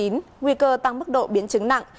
nguy cơ tăng mức độ biến chứng nặng